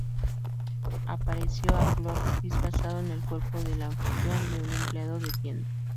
Apareció a Cloak, disfrazado en el cuerpo del anfitrión de un empleado de tienda.